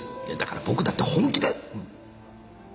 いやだから僕だって本気で！